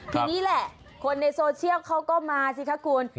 ทีนี้แหละคนในโซเชียลเขาก็มาสิคะคุณ